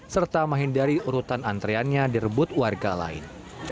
serta menghindari urutan antreannya direbut warga lain